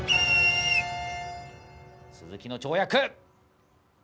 鈴木の跳躍！